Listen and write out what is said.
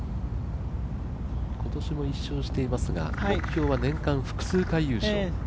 今年も１勝していますが、目標は年間複数回優勝。